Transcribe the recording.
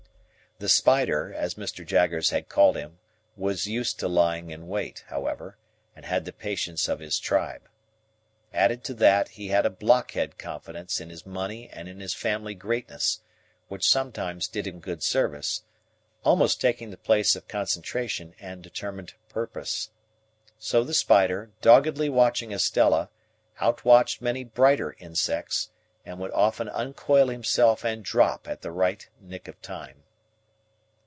The Spider, as Mr. Jaggers had called him, was used to lying in wait, however, and had the patience of his tribe. Added to that, he had a blockhead confidence in his money and in his family greatness, which sometimes did him good service,—almost taking the place of concentration and determined purpose. So, the Spider, doggedly watching Estella, outwatched many brighter insects, and would often uncoil himself and drop at the right nick of time.